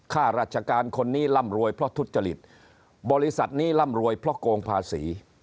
ข้าราชการคนนี้ร่ำรวยเพราะทุจริตบริษัทนี้ร่ำรวยเพราะโกงภาษี